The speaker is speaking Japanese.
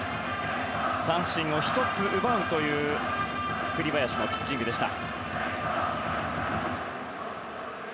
三振を１つ奪うという栗林のピッチングでした。